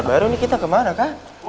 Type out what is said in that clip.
baru nih kita kemana kan